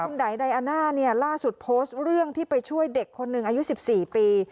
คุณไดอาน่าเนี่ยล่าสุดโพสต์เรื่องที่ไปช่วยเด็กคนหนึ่งอายุ๑๔ปี